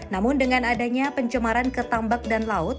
namun dengan adanya pencemaran ketambak dan laut